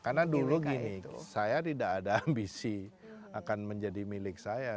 karena dulu gini saya tidak ada ambisi akan menjadi milik saya